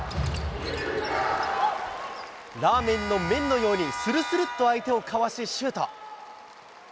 ラーメンの麺のようにするするっと相手をかわし、シュート。